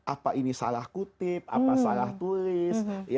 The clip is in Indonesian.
apa ini salah kutip apa salah tulis